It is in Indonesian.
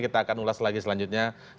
kita akan ulas lagi selanjutnya